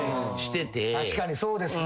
確かにそうですね。